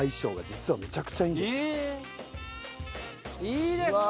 いいですね。